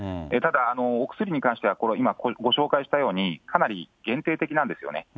ただ、お薬に関しては、今、ご紹介したように、かなり限定的なんですよね。